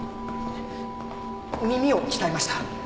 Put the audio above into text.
耳を鍛えました。